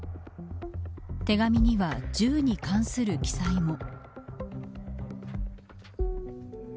手紙には銃に関する記載も。